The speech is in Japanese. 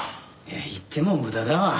行っても無駄だわ。